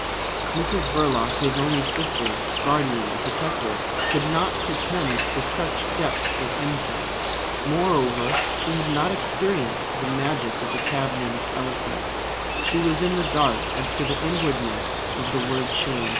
Mrs Verloc, his only sister, guardian, and protector, could not pretend to such depths of insight. Moreover, she had not experienced the magic of the cabman's eloquence. She was in the dark as to the inwardness of the word "Shame."